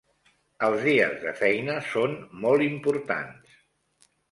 Els dies de feina són molt importants.